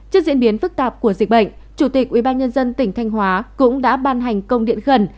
trước diễn biến phức tạp của dịch bệnh chủ tịch ubnd tỉnh thanh hóa cũng đã ban hành công điện khẩn